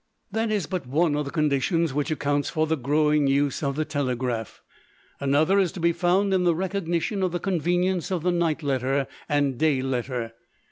That is but one of the conditions which accounts for the growing use of the telegraph. Another is to be found in the recognition of the convenience of the night letter and day letter.